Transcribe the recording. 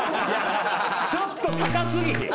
ちょっと高過ぎひん？